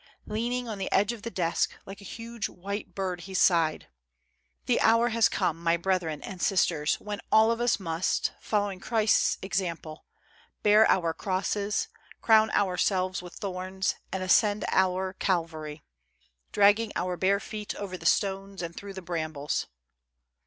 Leaning on the edge of the desk, like a huge white bird, he sighed: " The hour has come, my brethren and sisters, when all of us must, following Christ's example, bear our crosses, crown ourselves with thorns and ascend our Calvary, dragging our bare feet over the stones and through the brambles."